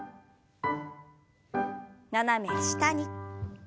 斜め下に。